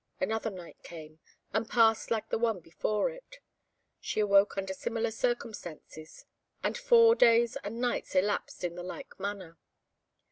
Another night came, and passed like the one before it. She awoke under similar circumstances, and four days and nights elapsed in the like manner.